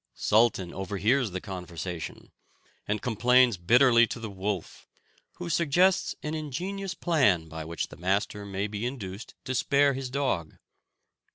Sultan overhears the conversation, and complains bitterly to the wolf, who suggests an ingenious plan by which the master may be induced to spare his dog.